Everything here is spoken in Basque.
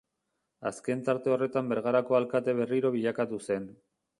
Azken tarte horretan Bergarako alkate berriro bilakatu zen.